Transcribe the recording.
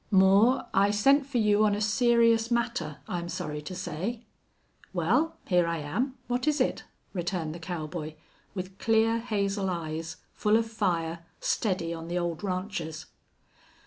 "Moore, I sent for you on a serious matter, I'm sorry to say." "Well, here I am. What is it?" returned the cowboy, with clear, hazel eyes, full of fire, steady on the old rancher's.